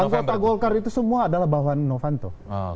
anggota golkar itu semua adalah bahwa novanto